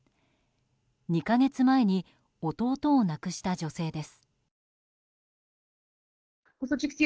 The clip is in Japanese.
２か月前に弟を亡くした女性です。